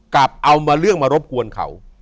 กลับเอามาเรื่องมารบกวนเขา